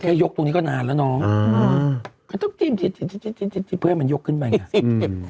โอเคยกตรงนี้ก็นานแล้วน้องมันต้องจิ้มจิ้มเพื่อให้มันยกขึ้นไปเนี่ย